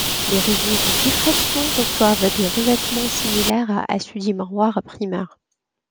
Les réseaux de diffraction reçoivent des revêtements similaires à ceux des miroirs primaires.